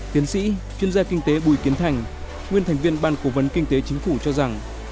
tiến sĩ chuyên gia kinh tế bùi kiến thành nguyên thành viên ban cố vấn kinh tế chính phủ cho rằng